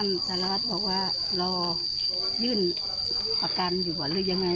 วันนี้พระบาทบอกว่ายึดปราการอยู่หรือยังไง